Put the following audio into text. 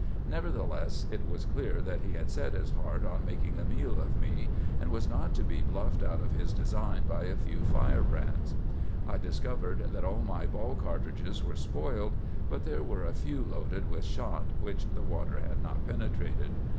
Nevertheless, it was clear that he had set his heart on making a meal of me, and was not to be bluffed out of his design by a few firebrands. "I discovered that all my ball cartridges were spoiled; but there were a few loaded with shot which the water had not penetrated.